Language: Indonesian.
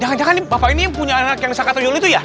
jangan jangan ini bapak ini punya anak yang disangkat tuyul itu ya